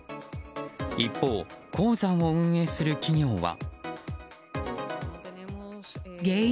一方、鉱山を運営する企業は。